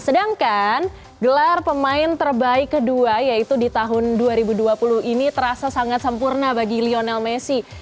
sedangkan gelar pemain terbaik kedua yaitu di tahun dua ribu dua puluh ini terasa sangat sempurna bagi lionel messi